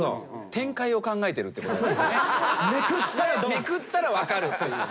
めくったら分かるっていうね。